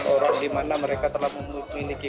orang dimana mereka telah memiliki